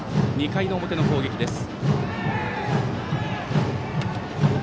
２回の表の攻撃です。